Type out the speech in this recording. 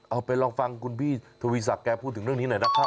เอาไปลองฟังคุณพี่ทวีศักดิพูดถึงเรื่องนี้หน่อยนะครับ